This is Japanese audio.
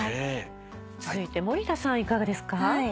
続いて森田さんいかがですか？